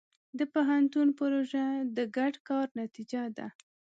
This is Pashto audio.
د پوهنتون پروژه د ګډ کار نتیجه ده.